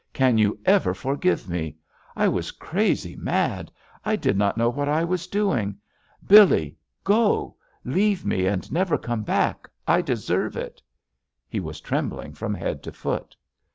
"Can you ever forgive me ? I was crazy, mad — I did not know what I was doing ! Billee, go 1 Leave me and never J) JUST SWEETHEARTS come back I I deserve it I" He was trembling from head to foot.